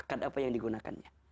apa yang digunakannya